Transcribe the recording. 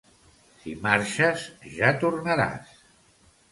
Si marxes ja tornaràs.